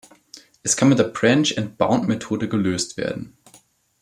Es kann mit der Branch-and-Bound-Methode gelöst werden.